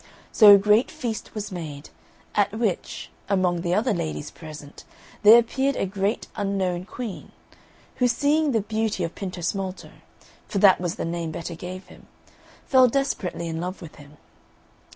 So a great feast was made, at which, among the other ladies present, there appeared a great unknown Queen, who, seeing the beauty of Pintosmalto (for that was the name Betta gave him), fell desperately in love with him.